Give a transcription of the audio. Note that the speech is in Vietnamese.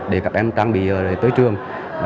để các em trang bị tới trường